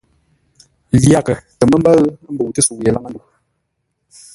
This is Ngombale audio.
Lyaghʼə tə mə́ ḿbə́ʉ ḿbə́utə́ sə̌u yé laŋə́ ndəu.